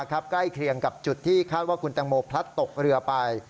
ใกล้เคียงกับจุดที่คาดว่าคุณแตงโมพลัดตกเรือไป